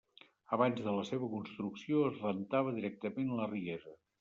Abans de la seva construcció es rentava directament a la riera.